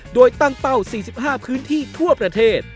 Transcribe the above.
โดยตั้งเป้า๔๕พื้นที่ทั่วประเทศ